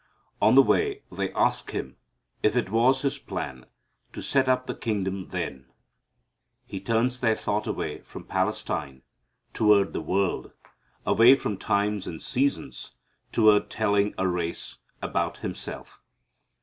On the way they ask Him if it was His plan to set up the kingdom then. He turns their thought away from Palestine toward the world, away from times and seasons toward telling a race about Himself.